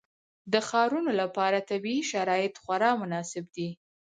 د ښارونو لپاره طبیعي شرایط خورا مناسب دي.